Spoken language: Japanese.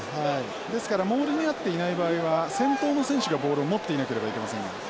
ですからモールになっていない場合は先頭の選手がボールを持っていなければいけません。